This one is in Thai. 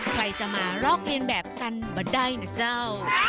ใครจะมาลอกเรียนแบบกันบ่ได้นะเจ้า